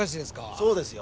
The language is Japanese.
そうですよ